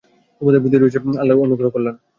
তোমাদের প্রতি রয়েছে আল্লাহর অনুগ্রহ ও কল্যাণ।